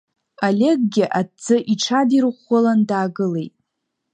Олеггьы аҭӡы иҽадирӷәӷәалан даагылеит.